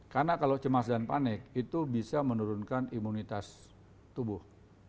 karena kalau cemas dan panik itu bisa menurunkan imunitas tubuh